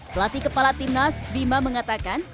pelatih kepala timnas bima mengatakan